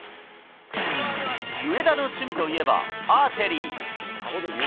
上田の趣味といえばアーチェリー。